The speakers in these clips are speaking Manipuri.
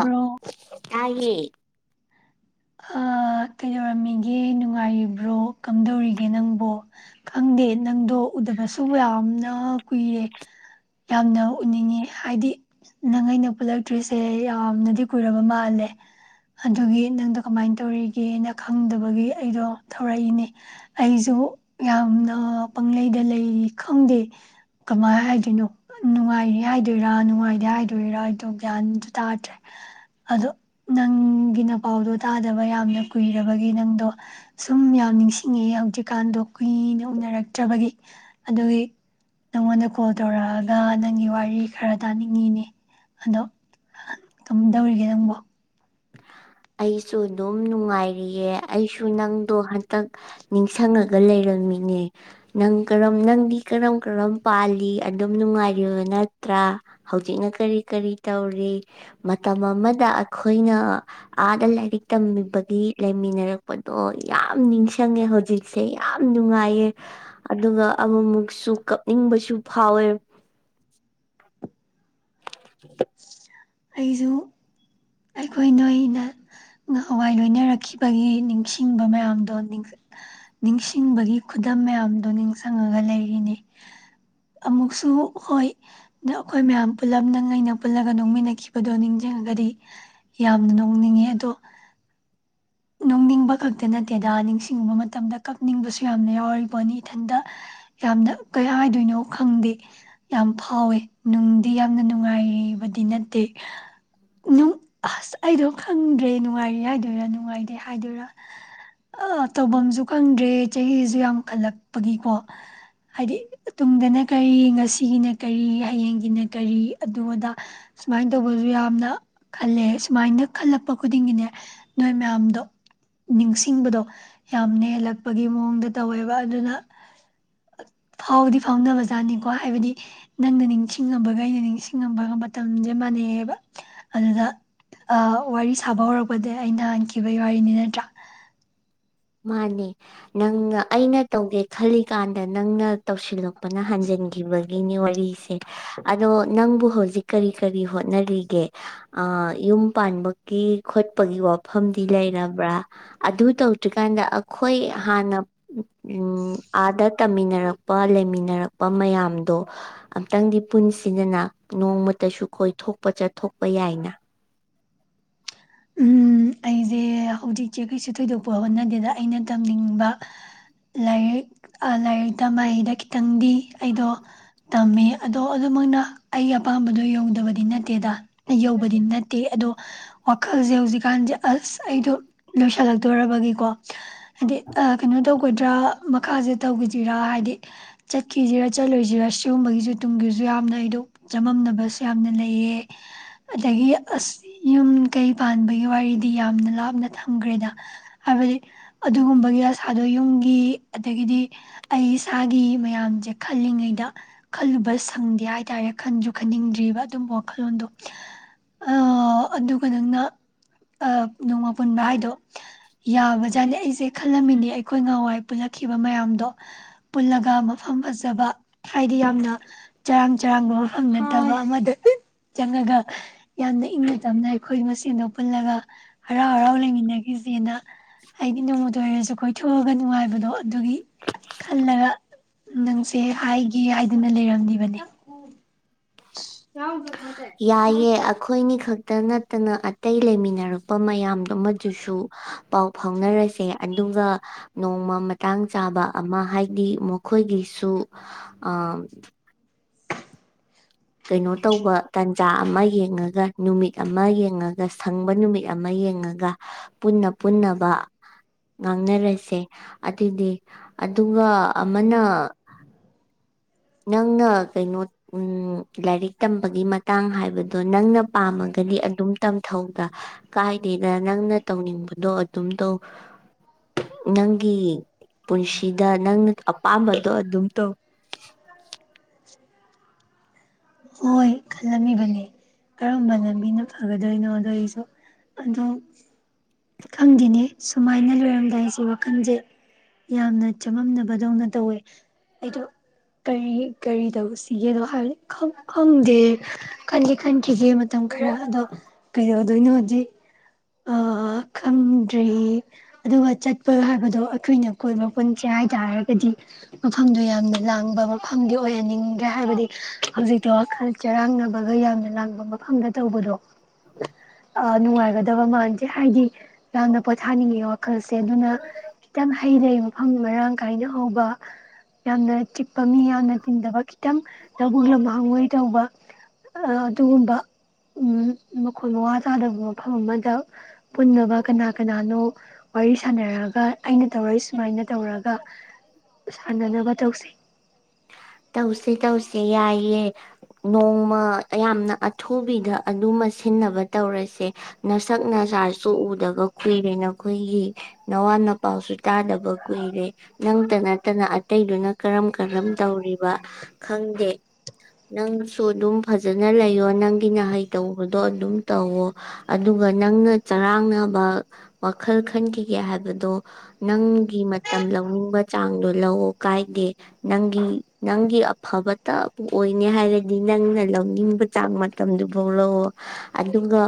ꯑ ꯍꯥꯏꯦ ꯑ ꯀꯩꯗꯧꯔꯝꯃꯤꯒꯦ ꯅꯨꯡꯉꯥꯏꯔꯤꯕ꯭ꯔꯣ ꯀꯝꯗꯧꯔꯤꯒꯦ ꯅꯪꯕꯨꯣ ꯈꯪꯗꯦ ꯅꯪꯗꯣ ꯎꯗꯕꯁꯨ ꯌꯥꯝꯅ ꯀꯨꯏꯔꯦ ꯌꯥꯝꯅ ꯎꯅꯤꯡꯉꯦ ꯍꯥꯏꯗꯤ ꯅꯪ ꯑꯩꯅ ꯄꯨꯜꯂꯛꯇ꯭ꯔꯤꯁꯦ ꯌꯥꯝꯅꯗꯤ ꯀꯨꯏꯔꯕ ꯃꯥꯜꯂꯦ ꯑꯗꯨꯒꯤ ꯅꯪꯗꯣ ꯀꯃꯥꯏꯅ ꯇꯧꯔꯤꯒꯦꯅ ꯈꯪꯗꯕꯒꯤ ꯑꯩꯗꯣ ꯊꯧꯔꯛꯏꯅꯦ ꯑꯩꯁꯨ ꯌꯥꯝꯅ ꯄꯪꯂꯩꯗ ꯂꯩꯔꯤ ꯈꯪꯗꯦ ꯀꯃꯥꯏꯅ ꯍꯥꯏꯗꯣꯏꯅꯣ ꯅꯨꯡꯉꯥꯏꯔꯤ ꯍꯥꯏꯗꯣꯏꯔꯥ ꯅꯨꯡꯉꯥꯏꯗꯦ ꯍꯥꯏꯗꯣꯏꯔꯥ ꯑꯩꯗꯣ ꯒ꯭ꯌꯥꯟꯁꯨ ꯇꯥꯗ꯭ꯔꯦ ꯑꯗꯣ ꯅꯪꯒꯤ ꯅ ꯄꯥꯎꯗꯣ ꯇꯥꯗꯕ ꯌꯥꯝꯅ ꯀꯨꯏꯔꯕꯒꯤ ꯅꯪꯗꯣ ꯁꯨꯝ ꯌꯥꯝ ꯅꯤꯡꯁꯤꯡꯉꯦ ꯍꯧꯖꯤꯛꯀꯥꯟꯗꯣ ꯀꯨꯏꯅ ꯎꯅꯔꯛꯇ꯭ꯔꯕꯒꯤ ꯑꯗꯨꯒꯤ ꯅꯪꯉꯣꯟꯗ ꯀꯣꯜ ꯇꯧꯔꯛꯑꯒ ꯅꯪꯒꯤ ꯋꯥꯔꯤ ꯈꯔ ꯇꯥꯅꯤꯡꯉꯤꯅꯦ ꯑꯗꯣ ꯀꯃꯥꯏ ꯇꯧꯔꯤꯒꯦ ꯅꯪꯕꯨ ꯑꯩꯁꯨ ꯑꯗꯨꯝ ꯅꯨꯡꯉꯥꯏꯔꯤꯌꯦ ꯑꯩꯁꯨ ꯅꯪꯗꯣ ꯍꯟꯇꯛ ꯅꯤꯡꯁꯤꯡꯉꯒ ꯂꯩꯔꯝꯃꯤꯅꯦ ꯅꯪ ꯀꯔꯝ ꯅꯪꯗꯤ ꯀꯔꯝ ꯀꯔꯝ ꯄꯥꯜꯂꯤ ꯑꯗꯨꯝ ꯅꯨꯡꯉꯥꯏꯔꯤꯕ ꯅꯠꯇ꯭ꯔꯥ ꯍꯧꯖꯤꯛꯅ ꯀꯔꯤ ꯀꯔꯤ ꯇꯧꯔꯤ ꯃꯇꯝ ꯑꯃꯗ ꯑꯩꯈꯣꯏꯅ ꯑꯥꯗ ꯂꯥꯏꯔꯤꯛ ꯇꯝꯕꯤꯕꯒꯤ ꯂꯩꯃꯤꯟꯅꯔꯛꯄꯗꯣ ꯌꯥꯝ ꯅꯤꯡꯁꯤꯡꯉꯦ ꯍꯧꯖꯤꯛꯁꯦ ꯌꯥꯝ ꯅꯨꯡꯉꯥꯏꯌꯦ ꯑꯗꯨꯒ ꯑꯃꯨꯃꯨꯛꯁꯨ ꯀꯞꯅꯤꯡꯕꯁꯨ ꯐꯥꯎꯋꯦ [unintelligible] ꯑꯩꯁꯨ ꯑꯩꯈꯣꯏ ꯅꯣꯏꯅ ꯅ ꯍꯋꯥꯏ ꯂꯣꯏꯅꯔꯛꯈꯤꯕꯒꯤ ꯅꯤꯡꯁꯤꯡꯕ ꯃꯌꯥꯝꯗꯣ ꯅꯤꯡꯁꯤꯡꯕꯒꯤ ꯈꯨꯗꯝ ꯃꯌꯥꯝꯗꯣ ꯅꯤꯡꯁꯤꯡꯉꯒ ꯂꯩꯔꯤꯅꯤ ꯑꯃꯨꯛꯁꯨ ꯍꯣꯏ ꯑꯩꯈꯣꯏ ꯃꯌꯥꯝ ꯄꯨꯜꯂꯞꯅ ꯉꯩꯅ ꯄꯨꯜꯂꯒ ꯅꯣꯡꯃꯤꯟꯅꯈꯤꯕꯅꯤ ꯗꯣ ꯅꯤꯡꯁꯤꯡꯉꯒꯗꯤ ꯌꯥꯝꯅ ꯅꯣꯡꯅꯤꯡꯉꯦ ꯑꯗꯣ ꯅꯨꯡꯅꯤꯡꯕ ꯈꯛꯇ ꯅꯠꯇꯦꯗꯥ ꯅꯤꯡꯁꯤꯡꯉꯨꯕ ꯃꯇꯝꯗ ꯀꯛꯅꯤꯡꯕꯁꯨ ꯌꯥꯝꯅ ꯌꯥꯎꯔꯤꯄꯣꯠꯅꯤ ꯏꯊꯟꯇ ꯌꯥꯝꯅ ꯀꯩ ꯍꯥꯏꯗꯣꯏꯅꯣ ꯈꯪꯗꯦ ꯌꯥꯝ ꯐꯥꯎꯋꯦ ꯅꯨꯡꯗꯤ ꯌꯥꯝꯅ ꯅꯨꯡꯉꯥꯏꯕꯗꯤ ꯅꯠꯇꯦ ꯅꯨ ꯑꯁ ꯑꯩꯗꯣ ꯈꯪꯗ꯭ꯔꯦ ꯅꯨꯡꯉꯥꯏꯔꯤ ꯍꯥꯏꯗꯣꯏꯔꯥ ꯅꯨꯡꯉꯥꯏ ꯗꯤ ꯍꯥꯏꯗꯣꯏꯔꯥ ꯇꯧꯐꯝꯁꯨ ꯈꯪꯗ꯭ꯔꯦ ꯆꯍꯤꯁꯨ ꯌꯥꯝ ꯈꯜꯂꯛꯄꯒꯤꯀꯣ ꯍꯥꯏꯗꯤ ꯇꯨꯡꯗꯅ ꯀꯔꯤ ꯉꯁꯤꯒꯤꯅ ꯀꯔꯤ ꯍꯌꯦꯡꯒꯤꯅ ꯀꯔꯤ ꯑꯗꯨ ꯑꯗꯥ ꯁꯨꯃꯥꯏꯅ ꯇꯧꯕꯁꯨ ꯌꯥꯝꯅ ꯈꯜꯂꯦ ꯁꯨꯃꯥꯏꯅ ꯈꯜꯂꯛꯄ ꯈꯨꯗꯤꯡꯒꯤꯅꯦ ꯅꯣꯏ ꯃꯌꯥꯝꯗꯣ ꯅꯤꯡꯁꯤꯡꯕꯗꯣ ꯌꯥꯝꯅ ꯍꯦꯜꯂꯛꯄꯒꯤ ꯃꯑꯣꯡꯗ ꯇꯧꯋꯦꯕ ꯑꯗꯨꯅ ꯐꯥꯎꯗꯤ ꯐꯥꯎꯅꯕꯖꯥꯠꯅꯤꯀꯣ ꯍꯥꯏꯕꯗꯤ ꯅꯪꯅ ꯅꯤꯡꯁꯤꯡꯉꯕꯒ ꯑꯩꯅ ꯅꯤꯡꯁꯤꯡꯉꯝꯕꯒ ꯃꯇꯝꯁꯦ ꯃꯥꯟꯅꯩꯑꯦꯕ ꯑꯗꯨꯗ ꯋꯥꯔꯤ ꯁꯥꯕ ꯍꯧꯔꯛꯄꯗ ꯑꯩ ꯍꯥꯟꯈꯤꯕ ꯕꯩ ꯋꯥꯔꯤꯅꯦ ꯅꯠꯇ꯭ꯔꯥ ꯃꯥꯅꯦ ꯅꯪꯅ ꯑꯩꯅ ꯇꯧꯒꯦ ꯈꯜꯂꯤꯀꯥꯟꯗ ꯅꯪꯅ ꯇꯧꯁꯤꯜꯂꯛꯄꯅ ꯍꯥꯟꯖꯤꯟꯈꯤꯕꯒꯤꯅꯤ ꯋꯥꯔꯤꯁꯦ ꯑꯗꯣ ꯅꯪꯕꯨ ꯍꯧꯖꯤꯛ ꯀꯔꯤ ꯀꯔꯤ ꯍꯣꯠꯅꯔꯤꯒꯦ ꯌꯨꯝ ꯄꯥꯟꯕꯒꯤ ꯈꯣꯠꯄꯒꯤ ꯋꯥꯐꯝꯗꯤ ꯂꯩꯔꯕ꯭ꯔꯥ ꯑꯗꯨ ꯇꯧ ꯗꯨꯖꯤꯛꯀꯥꯟꯗ ꯑꯩꯈꯣꯏ ꯍꯥꯟꯅ ꯑꯥꯗ ꯇꯝꯃꯤꯟꯅꯔꯛꯄ ꯂꯩꯃꯤꯟꯅꯔꯛꯄ ꯃꯌꯥꯝꯗꯣ ꯑꯝꯇꯪꯗꯤ ꯄꯨꯟꯁꯤꯟꯗꯅ ꯅꯣꯡꯃꯇꯁꯨ ꯀꯣꯏꯊꯣꯛꯄ ꯆꯠꯊꯣꯛꯄ ꯌꯥꯏꯅ ꯎꯝ ꯑꯩꯁꯦ ꯍꯧꯖꯤꯛꯁꯦ ꯀꯩꯁꯨ ꯊꯣꯏꯗꯣꯛꯄ ꯍꯣꯠꯅꯗꯦꯗ ꯑꯩꯅ ꯇꯝꯅꯤꯡꯕ ꯂꯥꯏꯔꯤꯛ ꯂꯥꯏꯔꯤꯛ ꯇꯝꯕꯗ ꯈꯤꯇꯪꯗꯤ ꯑꯩꯗꯣ ꯇꯝꯃꯦ ꯑꯗꯣ ꯑꯗꯨꯃꯛꯅ ꯑꯩꯒꯤ ꯑꯄꯥꯝꯕꯗꯣ ꯌꯧꯗꯕꯗꯤ ꯅꯠꯇꯦꯗ ꯌꯧꯕꯗꯤ ꯅꯠꯇꯦ ꯑꯗꯣ ꯋꯥꯈꯜꯁꯦ ꯍꯧꯖꯤꯛꯀꯥꯟꯁꯦ ꯑꯁ ꯑꯩꯗꯣ ꯂꯣꯏꯁꯤꯜꯂꯛꯇꯣꯔꯔꯕꯒꯤꯀꯣ ꯍꯥꯏꯗꯤ ꯀꯩꯅꯣ ꯇꯧ ꯀꯣꯏꯗ꯭ꯔꯥ ꯃꯈꯥꯁꯦ ꯇꯧꯈꯤꯁꯤꯔꯥ ꯍꯥꯏꯗꯤ ꯆꯠꯈꯤꯁꯤꯔꯥ ꯆꯠꯂꯣꯏꯁꯤꯔꯥ ꯁꯤꯒꯨꯝꯕꯒꯤꯁꯨ ꯇꯨꯡꯒꯤꯁꯨ ꯌꯥꯝꯅ ꯑꯩꯗꯣ ꯆꯃꯝꯅꯕꯁꯨ ꯌꯥꯝꯅ ꯂꯩꯌꯦ ꯑꯗꯒꯤ ꯑꯁ ꯌꯨꯝ ꯀꯩ ꯄꯥꯟꯕꯒꯤ ꯋꯥꯔꯤꯗꯤ ꯌꯥꯝꯅ ꯂꯥꯞꯅ ꯊꯝꯈ꯭ꯔꯦꯗ ꯍꯥꯏꯕꯗꯤ ꯑꯗꯨꯒꯨꯝꯕꯒꯤ ꯑꯁꯥꯗꯣ ꯌꯨꯝꯒꯤ ꯑꯗꯒꯤꯗꯤ ꯑꯩ ꯏꯁꯥꯒꯤ ꯃꯌꯥꯝꯁꯦ ꯈꯜꯂꯤꯉꯩꯗ ꯈꯜꯂꯨꯕ ꯁꯪꯗꯦ ꯍꯥꯏꯇꯥꯔꯦ ꯈꯟꯁꯨ ꯈꯟꯅꯤꯡꯗ꯭ꯔꯤꯕ ꯑꯗꯨꯝꯕ ꯋꯥꯈꯜꯂꯣꯟꯗꯣ ꯅꯪꯅ ꯅꯣꯡꯃ ꯄꯨꯟꯕ ꯍꯥꯏꯗꯣ ꯌꯥꯕꯖꯥꯠꯅꯤ ꯑꯩꯁꯦ ꯈꯜꯂꯝꯃꯤꯅꯤ ꯑꯩꯈꯣꯏ ꯉꯥꯟꯋꯥꯏ ꯄꯨꯜꯂꯛꯈꯤꯕ ꯃꯌꯥꯝꯗꯣ ꯄꯨꯜꯂꯒ ꯃꯐꯝ ꯐꯖꯕ ꯍꯥꯏꯗꯤ ꯌꯥꯝꯅ ꯆꯔꯥꯡ ꯆꯔꯥꯡꯕ ꯃꯐꯝ ꯅꯠꯇꯕ ꯑꯃꯗ ꯆꯪꯉꯒ ꯌꯥꯝꯅ ꯏꯪꯅ ꯇꯞꯅ ꯑꯩꯈꯣꯏ ꯃꯁꯦꯟꯗꯣ ꯄꯨꯜꯂꯒ ꯍꯔꯥꯎ ꯍꯔꯥꯎ ꯂꯩꯃꯤꯟꯅꯈꯤꯁꯦꯅ ꯑꯩꯗꯤ ꯅꯣꯡꯃꯇ ꯑꯣꯏꯁꯨ ꯀꯣꯏꯊꯣꯛꯑꯒꯅꯤ ꯅꯨꯡꯉꯥꯏꯕꯗꯣ ꯑꯗꯨꯒꯤ ꯈꯜꯂꯒ ꯅꯪꯁꯦ ꯍꯥꯏꯒꯦ ꯍꯥꯏꯗꯅ ꯂꯩꯔꯝꯂꯤꯕꯅꯤ ꯌꯥꯎ [unintelligible] ꯌꯥꯏꯌꯦ ꯑꯩꯈꯣꯏꯅꯤ ꯈꯛ ꯇ ꯅꯠꯇꯅ ꯑꯇꯩ ꯂꯩꯃꯤꯟꯅꯔꯛꯄ ꯃꯌꯥꯝꯗꯨꯃꯗꯨꯁꯨ ꯄꯥꯎ ꯐꯥꯎꯅꯔꯁꯦ ꯑꯗꯨꯒ ꯅꯣꯡꯃ ꯃꯇꯥꯡ ꯆꯥꯕ ꯑꯃ ꯍꯥꯏꯗꯤ ꯃꯈꯣꯏꯒꯤꯁꯨ ꯑ ꯀꯩꯅꯣ ꯇꯧꯕ ꯇꯥꯟꯖꯥ ꯑꯃ ꯌꯦꯡꯉꯒ ꯅꯨꯃꯤꯠ ꯑꯃ ꯌꯦꯡꯉꯒ ꯁꯪꯕ ꯅꯨꯃꯤꯠ ꯑꯃ ꯌꯦꯡꯉꯒ ꯄꯨꯟꯅ ꯄꯨꯟꯅꯕ ꯉꯥꯡꯅꯔꯁꯦ ꯑꯗꯨꯗꯤ ꯑꯗꯨꯒ ꯑꯃꯅ ꯅꯪꯅ ꯀꯩꯅꯣ ꯂꯥꯏꯔꯤꯛ ꯇꯝꯕꯒꯤ ꯃꯇꯥꯡ ꯍꯥꯏꯕꯗꯣ ꯅꯪꯅ ꯄꯥꯝꯃꯒꯗꯤ ꯑꯗꯨꯝ ꯇꯝꯊꯧꯗ ꯀꯥꯏꯗꯦꯗ ꯅꯪꯅ ꯇꯧꯅꯤꯡꯕꯗꯣ ꯑꯗꯨꯝ ꯇꯧ ꯅꯪꯒꯤ ꯄꯨꯟꯁꯤꯗ ꯅꯪꯅ ꯑꯄꯥꯝꯕꯗꯣ ꯑꯗꯨꯝ ꯇꯧ ꯍꯣꯏ ꯈꯜꯂꯝꯃꯤꯕꯅꯦ ꯀꯔꯝꯕ ꯂꯝꯕꯤꯅ ꯐꯒꯗꯣꯏꯅꯣꯗꯣ ꯑꯩꯁꯨ ꯑꯗꯣ ꯈꯪꯗꯦꯅꯦ ꯁꯨꯃꯥꯏꯅ ꯂꯣꯏꯔꯝꯗꯥꯏꯁꯤ ꯋꯥꯈꯜꯁꯦ ꯌꯥꯝꯅ ꯆꯃꯝꯅꯕꯗꯧꯅ ꯇꯧꯋꯦ ꯑꯩꯗꯣ ꯀꯔꯤ ꯀꯔꯤ ꯇꯧꯁꯤꯒꯦꯗꯣ ꯍꯥꯏꯕꯗꯤ ꯈꯪꯗꯦ ꯈꯟꯗꯤ ꯈꯟꯈꯤꯗꯦ ꯃꯇꯝ ꯈꯔ ꯑꯗꯣ ꯀꯩꯗꯧꯗꯣꯏꯅꯣꯗꯤ ꯑꯥ ꯈꯪꯗ꯭ꯔꯤ ꯑꯗꯨꯒ ꯆꯠꯄ ꯍꯥꯏꯕꯗꯣ ꯑꯩꯈꯣꯏꯅ ꯀꯣꯏꯕ ꯄꯨꯟꯁꯦ ꯍꯥꯏ ꯇꯔꯒꯗꯤ ꯃꯐꯝꯗꯣ ꯌꯥꯝꯅ ꯂꯥꯡꯕ ꯃꯐꯝꯗꯤ ꯑꯣꯏꯍꯟꯅꯤꯡꯗ꯭ꯔꯦ ꯍꯥꯏꯕꯗꯤ ꯍꯧꯖꯤꯛꯇꯣ ꯋꯥꯈꯜ ꯆꯔꯥꯡꯅꯕꯒ ꯌꯥꯝꯅ ꯂꯥꯡꯕ ꯃꯐꯝꯗ ꯇꯧꯕꯗꯣ꯫ ꯑ ꯅꯣꯨꯉꯥꯏꯒꯗ ꯇꯕ ꯃꯥꯟꯗꯦ ꯍꯥꯏꯗꯤ ꯌꯥꯝꯅ ꯄꯣꯊꯥꯅꯤꯡꯉꯤ ꯋꯥꯈꯜꯁꯦ ꯑꯗꯨꯅ ꯈꯤꯇꯪ ꯍꯩ ꯂꯩ ꯃꯐꯝ ꯃꯔꯥꯡ ꯀꯥꯏꯅ ꯍꯧꯕ ꯌꯥꯝꯅ ꯆꯤꯛꯄ ꯃꯤ ꯌꯥꯝꯅ ꯇꯤꯟꯗꯕ ꯈꯤꯇꯪ ꯂꯧꯕꯨꯛ ꯂꯝ ꯍꯥꯡꯉꯣꯏ ꯇꯧꯕ ꯑꯗꯨꯒꯨꯝꯕ ꯎ ꯃꯈꯣꯟ ꯃꯋꯥ ꯇꯥꯗꯕ ꯃꯐꯝ ꯑꯃꯗ꯫ ꯗ ꯄꯨꯟꯅꯕ ꯀꯅꯥ ꯀꯅꯥꯅꯣ ꯋꯥꯔꯤ ꯁꯥꯟꯅꯔꯒ ꯑꯩꯅ ꯇꯧꯔꯛꯏ ꯁꯨꯃꯥꯏꯅ ꯇꯧꯔꯒ ꯁꯥꯟꯅꯅꯕ ꯇꯧꯁꯤ꯫ ꯇꯧꯁꯦ ꯇꯧꯁꯦ ꯌꯥꯏꯌꯦ ꯅꯣꯡꯃ ꯌꯥꯝꯅ ꯑꯊꯨꯕꯤꯗ ꯑꯗꯨꯃ ꯁꯤꯟꯅꯕ ꯇꯧꯔꯁꯦ ꯅꯁꯛ ꯅꯁꯥꯁꯨ ꯎꯗꯕ ꯀꯨꯏꯔꯦ ꯅꯈꯣꯏꯒꯤ ꯅꯋꯥ ꯅꯄꯥꯎꯁꯨ ꯇꯥꯗꯕ ꯀꯨꯏꯔꯦ ꯅꯪꯇ ꯅꯠꯇꯅ ꯑꯇꯩꯗꯨꯅ ꯀꯔꯝ ꯀꯔꯝ ꯇꯧꯔꯤ ꯈꯪꯗꯦ ꯅꯪꯁꯨ ꯑꯗꯨꯝ ꯐꯖꯅ ꯂꯩꯌꯣ ꯅꯪꯒꯤ ꯍꯩ ꯇꯧꯕꯗꯣ ꯑꯗꯨꯝ ꯇꯧꯋꯣ ꯑꯗꯨꯒ ꯅꯪꯅ ꯆꯔꯥꯡꯅꯕ ꯋꯥꯈꯜ ꯈꯟꯈꯤꯒꯦ ꯍꯥꯏꯕꯗꯣ ꯅꯪꯒꯤ ꯃꯇꯝ ꯂꯧꯅꯤꯡꯕ ꯆꯥꯡꯗꯣ ꯂꯧꯋ ꯀꯥꯏꯗꯦ ꯅꯪꯒꯤ ꯅꯪꯒꯤ ꯑꯐꯕꯇꯕꯨ ꯑꯣꯏꯅꯦ ꯍꯥꯏꯔꯗꯤ ꯅꯪꯅ ꯂꯧꯅꯤꯡꯕ ꯆꯥꯡ ꯃꯇꯝꯗꯨꯐꯥꯎ ꯂꯧꯋꯣ ꯑꯗꯨꯒ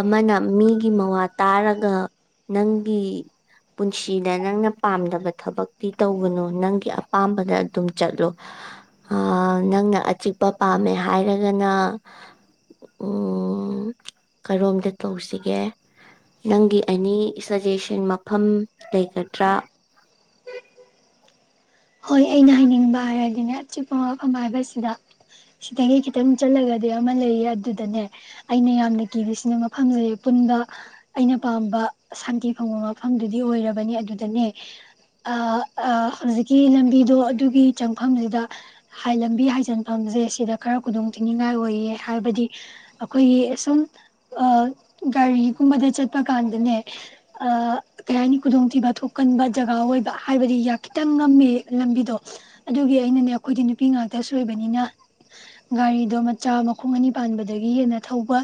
ꯑꯃꯅ ꯃꯤꯒꯤ ꯃꯋꯥ ꯇꯥꯔꯒ ꯅꯪꯒꯤ ꯄꯨꯟꯁꯤꯗ ꯅꯪꯅ ꯄꯥꯝꯗꯕ ꯊꯕꯛꯇꯤ ꯇꯒꯅꯨ ꯅꯪꯒꯤ ꯑꯄꯥꯝꯕꯗ ꯑꯗꯨꯝ ꯆꯠꯂꯣ ꯅꯪꯅ ꯑꯆꯤꯛꯄ ꯄꯥꯝꯃꯦ ꯍꯥꯏꯔꯒꯅ ꯀꯔꯣꯝꯗ ꯇꯧꯁꯤꯒꯦ ꯅꯪꯒꯤ ꯑꯦꯅꯤ ꯁꯖꯦꯁꯟ ꯃꯐꯝ ꯂꯩꯒꯗ꯭ꯔꯥ ꯍꯣꯏ ꯑꯩꯅ ꯍꯥꯏꯅꯤꯡꯕ ꯍꯥꯏꯔꯗꯤꯅꯦ ꯑꯆꯤꯛꯄ ꯃꯐꯝ ꯍꯥꯏꯕꯁꯤꯗ ꯁꯤꯗꯒꯤ ꯈꯤꯇꯪ ꯆꯠꯂꯒꯗꯤ ꯑꯃ ꯂꯩꯌꯦ ꯑꯗꯨꯗꯅꯦ ꯑꯩꯅ ꯌꯥꯝꯅ ꯀꯤꯕꯁꯤꯅ ꯃꯐꯝꯗꯨ ꯄꯨꯟꯕ ꯑꯩꯅ ꯄꯥꯝꯕ ꯁꯥꯟꯇꯤ ꯐꯪꯕ ꯃꯐꯝꯗꯨꯗꯤ ꯑꯣꯏꯔꯕꯅꯦ ꯑꯗꯨꯗꯅꯦ ꯍꯧꯖꯤꯛ ꯒꯤ ꯂꯝꯕꯤꯗꯣ ꯑꯗꯨꯒꯤ ꯆꯪꯐꯝꯁꯤꯗ ꯂꯝꯕꯤ ꯍꯥꯏꯖꯤꯟꯐꯝꯁꯦ ꯁꯤꯗ ꯈꯔ ꯈꯨꯗꯣꯡ ꯊꯤꯅꯤꯡꯉꯥꯏ ꯑꯣꯏꯌꯦ ꯍꯥꯏꯕꯗꯤ ꯑꯩꯈꯣꯏꯒꯤ ꯁꯨꯝ ꯒꯥꯔꯤꯒꯨꯝꯕꯗ ꯆꯠꯄ ꯀꯥꯟꯗꯅꯦ ꯀꯩ ꯍꯥꯏꯅꯤ ꯈꯨꯗꯣꯡꯊꯤꯕ ꯊꯣꯛꯀꯟꯕ ꯖꯒꯥ ꯑꯣꯏꯕ ꯍꯥꯏꯕꯗꯤ ꯈꯤꯇꯪ ꯈꯤꯇꯪ ꯉꯝꯃꯦ ꯂꯝꯕꯤꯗꯣ ꯑꯗꯨꯒꯤ ꯑꯩꯅꯅꯦ ꯑꯩꯈꯣꯏꯗꯤ ꯅꯨꯄꯤ ꯉꯥꯛꯇꯁꯨ ꯑꯣꯏꯕꯅꯤꯅ ꯒꯥꯔꯤꯗꯣ ꯃꯆꯥ ꯃꯈꯣꯡ ꯑꯅꯤ ꯄꯥꯟꯕꯗꯒꯤ ꯍꯦꯟꯅ ꯊꯧꯕ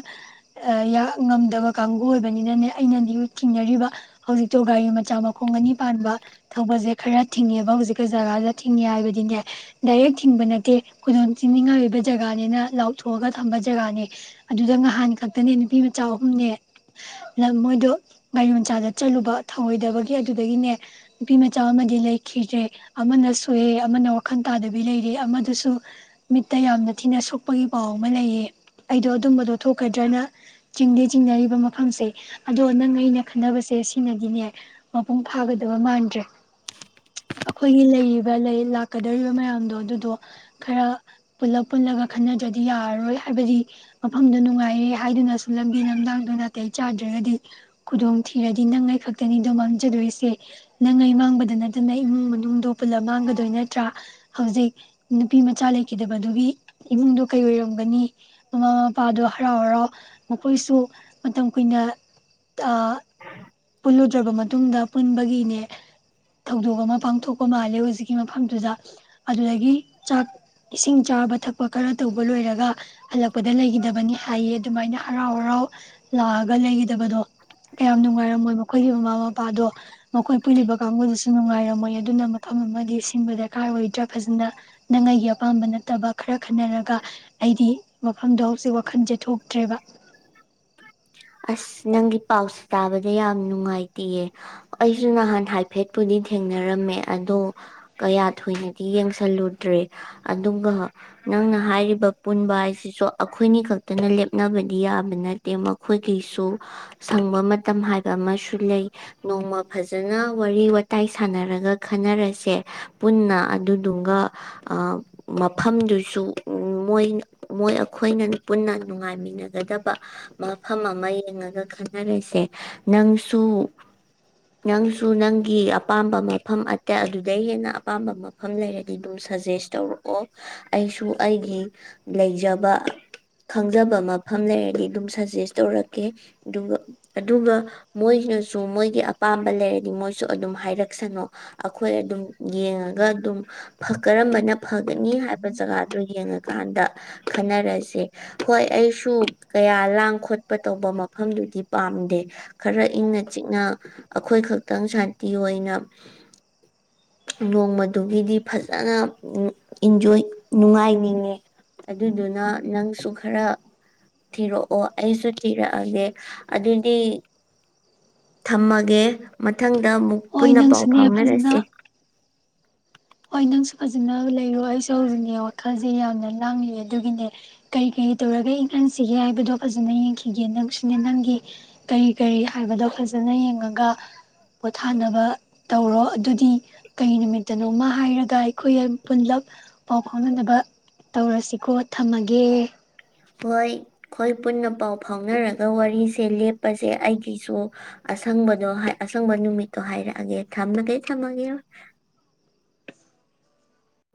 ꯉꯝꯗꯕ ꯀꯥꯡꯕꯨ ꯑꯣꯏꯕꯅꯤꯅꯅꯦ ꯑꯩꯅꯗꯤ ꯆꯤꯡꯅꯔꯤꯕ ꯍꯧꯖꯤꯛꯇꯣ ꯒꯥꯔꯤ ꯃꯆꯥ ꯃꯈꯣꯡ ꯑꯅꯤ ꯄꯥꯟꯕ ꯊꯧꯕꯁꯦ ꯈꯔ ꯊꯤꯡꯉꯦꯕ ꯍꯧꯖꯤꯛꯀ ꯖꯒꯥꯗ ꯊꯤꯡꯉꯦ ꯍꯥꯏꯕꯗꯤꯅꯦ ꯗꯥꯏꯔꯦꯛ ꯊꯤꯡꯕ ꯅꯠꯇꯦ ꯈꯨꯗꯣꯡ ꯆꯤꯅꯤꯡꯉꯥꯏ ꯑꯣꯏꯕ ꯖꯒꯥꯅꯤꯅ ꯂꯥꯎꯊꯣꯛꯑꯒ ꯊꯝꯕ ꯖꯒꯥꯅꯦ ꯑꯗꯨꯗ ꯉꯍꯥꯟ ꯈꯛꯇꯅꯦ ꯅꯨꯄꯤ ꯃꯆꯥ ꯑꯍꯨꯝꯅꯦ ꯃꯣꯏꯗꯣ ꯃꯥꯏꯌꯣꯟꯆꯥꯗ ꯆꯠꯂꯨꯕ ꯊꯧꯑꯣꯏꯗꯕꯒꯤ ꯑꯗꯨꯗꯒꯤꯅꯦ ꯅꯨꯄꯤ ꯃꯆꯥ ꯑꯃꯗꯤ ꯂꯩ ꯈꯤꯗ꯭ꯔꯦ ꯑꯃꯅ ꯁꯣꯛꯑꯦ ꯑꯃꯅ ꯋꯥꯈꯜ ꯇꯥꯗꯕꯤ ꯂꯩꯔꯦ ꯑꯃꯗꯨꯁꯨ ꯃꯤꯠꯇ ꯌꯥꯝꯅ ꯊꯤꯅ ꯁꯣꯛꯄꯒꯤ ꯄꯥꯎ ꯑꯃ ꯂꯩꯌꯦ ꯑꯩꯗꯣ ꯑꯗꯨꯝꯕꯗꯣ ꯊꯣꯛꯀꯗ꯭ꯔꯅ ꯆꯤꯡꯗꯦ ꯆꯤꯡꯅꯔꯤꯕ ꯃꯐꯝꯁꯦ ꯑꯗꯣ ꯅꯪ ꯑꯩꯅ ꯈꯟꯅꯕꯁꯦ ꯁꯤꯅꯒꯤꯅꯦ ꯃꯄꯨꯡ ꯐꯥꯒꯗꯕ ꯃꯥꯟꯗ꯭ꯔꯦ ꯑꯩꯈꯣꯏꯒꯤ ꯂꯩꯔꯤꯕ ꯂꯥꯛꯀꯗꯧꯔꯤꯕ ꯃꯌꯥꯝꯗꯣ ꯑꯗꯨꯗꯣ ꯈꯔ ꯄꯨꯜꯂꯞ ꯄꯨꯜꯂꯒ ꯈꯟꯅꯗ꯭ꯔꯗꯤ ꯌꯥꯔꯔꯣꯏ ꯍꯥꯏꯕꯗꯤ ꯃꯐꯝꯗꯣ ꯅꯨꯡꯉꯥꯏꯔꯦ ꯍꯥꯏꯗꯨꯅꯁꯨ ꯂꯝꯕꯤ ꯂꯝꯗꯥꯡꯗꯣ ꯅꯥꯇꯩ ꯆꯥꯗ꯭ꯔꯒꯗꯤ ꯈꯨꯗꯣꯡ ꯊꯤꯔꯗꯤ ꯅꯪꯉꯩ ꯈꯛꯇꯅꯤꯗꯣ ꯃꯥꯡꯖꯗꯣꯏꯁꯦ ꯅꯪꯉꯩ ꯃꯥꯡꯕꯗ ꯅꯠꯇ ꯑꯗꯨꯅ ꯏꯃꯨꯡ ꯃꯅꯨꯡꯗꯣ ꯄꯨꯜꯂꯝ ꯃꯥꯡꯒꯗꯣꯏ ꯅꯠꯇ꯭ꯔꯥ ꯍꯧꯖꯤꯛ ꯅꯨꯄꯤ ꯃꯆꯥ ꯂꯩꯈꯤꯗꯕꯗꯨꯒꯤ ꯏꯃꯨꯡꯗꯣ ꯀꯩ ꯑꯣꯏꯔꯝꯒꯅꯤ ꯃꯃꯥ ꯃꯄꯥꯗꯣ ꯍꯔꯥꯎ ꯍꯔꯥꯎ ꯃꯈꯣꯏꯁꯨ ꯃꯇꯝ ꯀꯨꯏꯅ ꯄꯨꯜꯂꯨꯗ꯭ꯔꯕ ꯃꯇꯨꯡꯗ ꯄꯨꯟꯕꯒꯤꯅꯦ ꯊꯧꯗꯣꯛ ꯑꯃ ꯄꯥꯡꯊꯣꯛꯄ ꯃꯥꯜꯂꯦ ꯍꯧꯖꯤꯛꯀꯤ ꯃꯐꯝꯗꯨꯗ ꯑꯗꯨꯗꯒꯤ ꯆꯥꯛ ꯏꯁꯤꯡ ꯆꯥꯕ ꯊꯛꯄ ꯈꯔ ꯇꯧꯕ ꯂꯣꯏꯔꯒ ꯍꯜꯂꯛꯄꯗ ꯂꯩꯒꯗꯕꯅꯤ ꯍꯥꯏꯌꯦ ꯑꯗꯨꯃꯥꯏꯅ ꯍꯔꯥꯎ ꯍꯔꯥꯎ ꯂꯥꯛꯑꯒ ꯕꯗꯣ ꯀꯌꯥꯝ ꯅꯨꯡꯉꯥꯏꯔꯝꯃꯣꯏ ꯃꯈꯣꯏꯒꯤ ꯃꯃꯥ ꯃꯄꯥꯗꯣ ꯃꯈꯣꯏ ꯄꯨꯜꯂꯤꯕ ꯀꯥꯡꯕꯨꯗꯨꯁꯨ ꯨ ꯅꯨꯡꯉꯥꯏꯔꯝꯃꯣꯏ ꯑꯗꯨꯅ ꯃꯐꯝ ꯑꯃꯒꯤ ꯁꯤꯟꯕ ꯗꯔꯀꯥꯔ ꯑꯣꯏꯗ꯭ꯔꯥ ꯐꯖꯅ ꯅꯪ ꯑꯩꯒꯤ ꯑꯄꯥꯝꯕ ꯅꯠꯇꯕ ꯈꯔ ꯈꯟꯅꯔꯒ ꯑꯩꯗꯤ ꯃꯐꯝꯗꯣ ꯍꯧꯖꯤꯛ ꯋꯥꯈꯜꯁꯦ ꯊꯣꯛꯇ꯭ꯔꯦꯕ ꯑꯁ ꯅꯪꯒꯤ ꯄꯥꯎꯁꯦ ꯇꯥꯕꯗ ꯌꯥꯝ ꯅꯨꯡꯉꯥꯏꯇꯦꯌꯦ ꯑꯩꯁꯨ ꯅꯍꯥꯟ ꯍꯥꯏꯐꯦꯠꯄꯨꯗꯤ ꯊꯦꯡꯅꯔꯝꯃꯦ ꯑꯗꯣ ꯀꯌꯥ ꯊꯣꯏꯅꯗꯤ ꯌꯦꯡꯁꯜꯂꯨꯗ꯭ꯔꯦ ꯑꯗꯨꯒ ꯅꯪꯅ ꯍꯥꯏꯔꯤꯕ ꯄꯨꯟꯕ ꯍꯥꯏꯁꯤꯁꯨ ꯑꯩꯈꯣꯏꯅꯤ ꯈꯛꯇꯅ ꯂꯦꯞꯅꯕꯗꯤ ꯌꯥꯕ ꯅꯠꯇꯦ ꯑꯩꯈꯣꯏꯒꯤꯁꯨ ꯁꯪꯕ ꯃꯇꯝ ꯍꯥꯏꯕ ꯑꯃꯁꯨ ꯂꯩ ꯅꯣꯡꯃ ꯐꯖꯅ ꯋꯥꯔꯤ ꯋꯥꯇꯥꯏ ꯁꯥꯟꯅꯔꯒ ꯈꯟꯅꯔꯁꯦ ꯄꯨꯟꯅ ꯑꯗꯨꯗꯨꯒ ꯃꯐꯝꯗꯨꯁꯨ ꯃꯣꯏ ꯃꯣꯏ ꯑꯩꯈꯣꯏꯅ ꯄꯨꯟꯅ ꯅꯨꯡꯉꯥꯏꯃꯤꯟꯅꯒꯗꯕ ꯃꯐꯝ ꯑꯃ ꯌꯦꯡꯉꯒ ꯈꯟꯅꯔꯤꯁꯦ ꯅꯪꯁꯨ ꯅꯪꯁꯨ ꯅꯪꯒꯤ ꯑꯄꯥꯝꯕ ꯃꯐꯝ ꯑꯇꯩ ꯑꯗꯨꯗꯩ ꯍꯦꯟꯅ ꯑꯄꯥꯝꯕ ꯃꯐꯝ ꯂꯩꯔꯗꯤ ꯑꯗꯨꯝ ꯁꯖꯦꯁ ꯇꯧꯔꯛꯑꯣ ꯑꯩꯁꯨ ꯑꯩꯒꯤ ꯂꯩꯖꯕ ꯈꯪꯖꯕ ꯃꯐꯝ ꯂꯩꯔꯗꯤ ꯑꯗꯨꯝꯖ ꯁꯦꯁ ꯇꯧꯔꯛꯀꯦ ꯑꯗꯨꯒ ꯑꯗꯨꯒ ꯃꯣꯏꯅꯁꯨ ꯃꯣꯏꯒꯤ ꯑꯄꯥꯝꯕ ꯂꯩꯔꯗꯤ ꯃꯣꯏꯁꯨ ꯑꯗꯨꯝ ꯍꯥꯏꯔꯛꯁꯅꯨ ꯑꯩꯈꯣꯏ ꯑꯗꯨꯝ ꯌꯦꯡꯉꯒ ꯑꯗꯨꯝ ꯀꯔꯝꯕꯅ ꯐꯒꯅꯤ ꯍꯥꯏꯕ ꯖꯒꯥꯗꯨ ꯌꯦꯡꯉꯀꯥꯟꯗ ꯈꯟꯅꯔꯁꯦ ꯍꯣꯏ ꯑꯩꯁꯨ ꯀꯌꯥ ꯂꯥꯡ ꯈꯣꯠꯄ ꯇꯧꯕ ꯃꯐꯝꯗꯨꯗꯤ ꯄꯥꯝꯗꯦ ꯈꯔ ꯏꯪꯅ ꯆꯤꯛꯅ ꯑꯩꯈꯣꯏ ꯈꯛꯇꯪ ꯁꯥꯟꯇꯤ ꯑꯣꯏꯅ ꯅꯣꯡꯃꯗꯨꯒꯤꯗꯤ ꯐꯖꯅ ꯏꯟꯖꯣꯏ ꯅꯨꯡꯉꯥꯏꯅꯤꯡꯉꯦ ꯑꯗꯨꯗꯨꯅ ꯅꯪꯁꯨ ꯈꯔ ꯊꯤꯔꯛꯑꯣ ꯑꯩꯁꯨ ꯊꯤꯔꯛꯑꯒꯦ ꯑꯗꯨꯗꯤ ꯊꯝꯃꯒꯦ ꯃꯊꯪ ꯗ ꯑꯃꯨꯛ ꯍꯣꯏ ꯄꯨꯟꯅ ꯄꯥꯎ ꯅꯪꯁꯨꯅꯦ ꯐꯖꯅ ꯐꯥꯎꯅꯔꯁꯤꯦ ꯍꯣꯏ ꯅꯪꯁꯨ ꯐꯖꯅ ꯂꯩꯔꯣ ꯑꯩꯁꯨ ꯍꯧꯖꯤꯛꯅꯦ ꯋꯥꯈꯜꯁꯦ ꯌꯥꯝꯅ ꯂꯥꯡꯉ ꯑꯗꯨꯒꯤꯅꯦ ꯀꯔꯤ ꯀꯔꯤ ꯇꯧꯔꯒ ꯏꯪꯍꯟꯁꯤꯒꯦ ꯍꯥꯏꯕꯗꯣ ꯐꯖꯅ ꯌꯦꯡꯈꯤꯒꯦ ꯅꯪꯁꯨꯅꯦ ꯅꯪꯒꯤ ꯀꯔꯤ ꯀꯔꯤ ꯍꯥꯏꯕꯗꯣ ꯐꯖꯅ ꯌꯦꯡꯉꯒ ꯄꯣꯊꯥꯅꯕ ꯇꯧꯔꯣ ꯑꯗꯨꯗꯤ ꯀꯔꯤ ꯅꯨꯃꯤꯠꯇꯅꯣꯃ ꯍꯥꯏꯔꯒ ꯑꯩꯈꯣꯏ ꯄꯨꯂꯞ ꯄꯥꯎ ꯐꯥꯎꯅꯅꯕ ꯇꯧꯔꯁꯤꯀꯣ ꯊꯝꯃꯒꯦ ꯍꯣꯏ ꯑꯩꯈꯣꯏ ꯄꯨꯟꯅ ꯄꯥꯎ ꯐꯥꯎꯅꯔꯒ ꯋꯥꯔꯤꯁꯦ ꯂꯦꯞꯄꯁꯦ ꯑꯩꯒꯤꯁꯨ ꯑꯁꯪꯕꯗꯣ ꯑꯁꯪꯕ ꯅꯨꯃꯤꯠꯇꯣ ꯍꯥꯏꯔꯛꯑꯒꯦ ꯊꯝꯃꯒꯗꯤ ꯊꯝꯃꯒꯦ